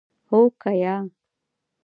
هو که یا ؟